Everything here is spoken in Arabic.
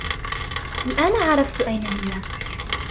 الآن عرفت أين هي.